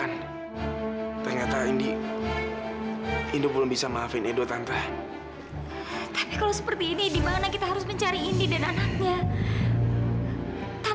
atau mungkin malah membuat kita semakin jauh